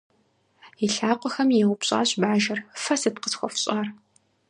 И лъакъуэхэми еупщӏащ бажэр: - Фэ сыт къысхуэфщӏар?